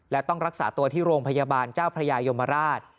และต้องรักษาตัวที่โรงพยาบาลเจ้าพระยายมราช